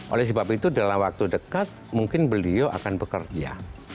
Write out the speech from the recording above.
oleh sebab itu dalam waktu dekat mungkin beliau akan bekerja